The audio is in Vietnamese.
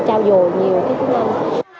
trao dồi nhiều cái tiếng anh